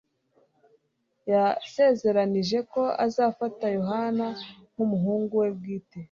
Yasezeranije ko azafata Yohana nkumuhungu we bwite